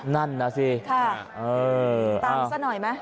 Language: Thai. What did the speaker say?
นั่นน่ะสิตามซะหน่อยไหม